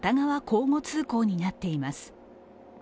交互通行になっています。